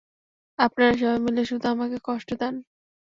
আপনারা সবাই মিলে শুধু আমাকে কষ্ট দেন।